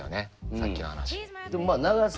さっきの話。